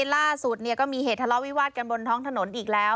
ล่าสุดก็มีเหตุทะเลาะวิวาดกันบนท้องถนนอีกแล้ว